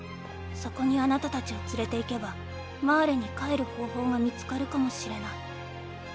そこにあなたたちを連れて行けばマーレに帰る方法が見つかるかもしれない。